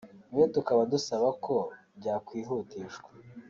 nabyo tukaba dusaba ko byakwihutishwa